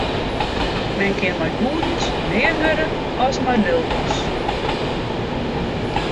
Men kin mei goedens mear wurde as mei lulkens.